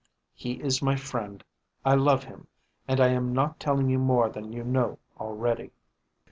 He is my friend, I love him, and I am not telling you more than you know already."